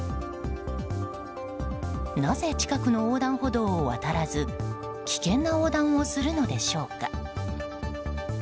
なぜ、近くの横断歩道を渡らず危険な横断をするのでしょうか。